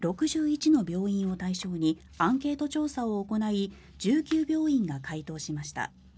６１の病院を対象にアンケート調査を行い１９病院が回答しました。